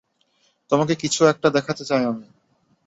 তোমাকে কিছু একটা দেখাতে চাই আমি!